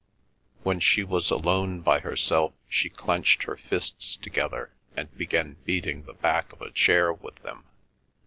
When she was alone by herself she clenched her fists together, and began beating the back of a chair with them.